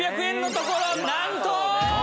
ところなんと。